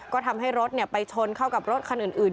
ก็ทำให้รถไปชนเข้ากับรถคันอื่น